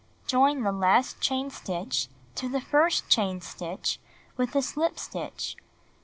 Join the last chain stitch to the first chain stitch with a slip stitch.